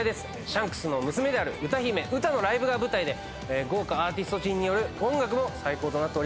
シャンクスの娘である歌姫ウタのライブが舞台で豪華アーティスト陣による音楽も最高となっております。